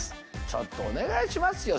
ちょっとお願いしますよ